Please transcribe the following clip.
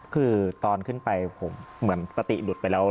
คือตอนขึ้นไปผมเหมือนสติหลุดไปแล้ว